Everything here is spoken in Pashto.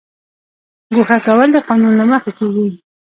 ګوښه کول د قانون له مخې کیږي